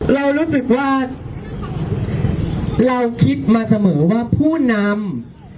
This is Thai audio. เรารู้สึกว่าเราคิดมาเสมอว่าผู้นำ